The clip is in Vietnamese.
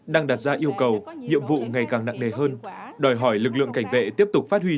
đang đặt ra yêu cầu nhiệm vụ ngày càng nặng nề hơn đòi hỏi lực lượng cảnh vệ tiếp tục phát huy